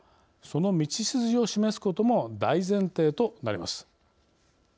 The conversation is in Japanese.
その道筋を示すことも大前提となります。